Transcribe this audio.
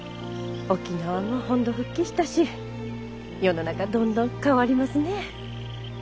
沖縄も本土復帰したし世の中どんどん変わりますね。